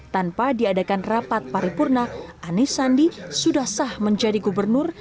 tanpa diadakan rapat paripurna anies sandi sudah sah menjadi gubernur